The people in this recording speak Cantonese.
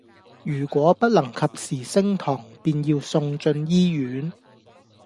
如果不能及時升糖便要送進醫院